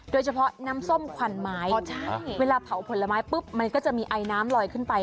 โดยเฉพาะน้ำส้มขวัญไม้เวลาเผาผลไม้ปุ๊บมันก็จะมีไอน้ำลอยขึ้นไป